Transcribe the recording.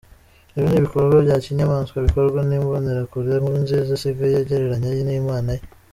Ibi n’ibikorwa bya Kinyamanswa bikorwa n’Imbonerakure Nkurunziza asigaye agereranya n’imana ye.